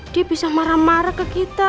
dia bisa marah marah ke kita